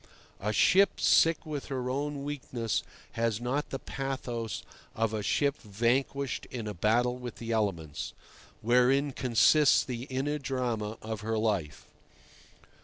A ship sick with her own weakness has not the pathos of a ship vanquished in a battle with the elements, wherein consists the inner drama of her life.